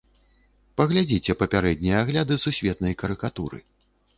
Паглядзіце папярэднія агляды сусветнай карыкатуры.